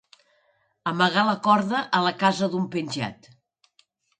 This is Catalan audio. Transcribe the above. Amagar la corda a la casa d'un penjat.